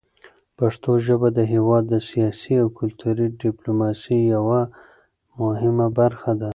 پښتو ژبه د هېواد د سیاسي او کلتوري ډیپلوماسۍ یوه مهمه برخه ده.